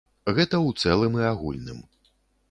Гэта ў цэлым і агульным.